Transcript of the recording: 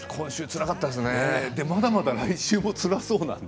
まだまだ来週もつらそうなので。